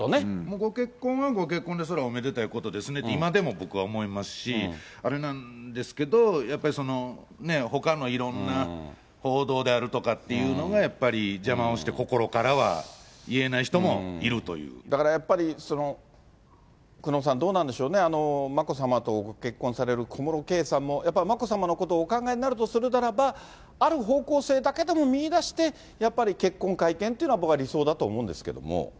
ご結婚はご結婚でおめでたいことですねって、今でも僕は思いますし、あれなんですけど、やっぱりほかのいろんな報道であるとかっていうのが、やっぱり邪魔をして、だからやっぱり、久能さん、どうなんでしょうね、眞子さまとご結婚される小室圭さんも、やっぱり眞子さまのことをお考えになるとするならば、ある方向性だけでも見いだして、やっぱり結婚会見っていうのが、僕は理想だと思うんですけれども。